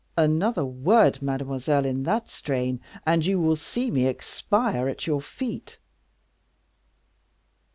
"Another word, mademoiselle, in that strain, and you will see me expire at your feet."